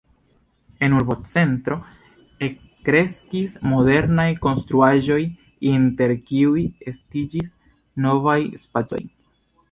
En urbocentro elkreskis modernaj konstruaĵoj, inter kiuj estiĝis novaj spacoj.